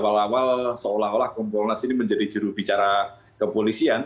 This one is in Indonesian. awal awal seolah olah kompolnas ini menjadi jurubicara kepolisian